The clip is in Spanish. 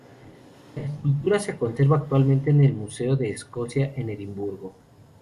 La escultura se conserva actualmente en el Museo de Escocia en Edimburgo.